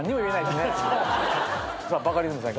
バカリズムさん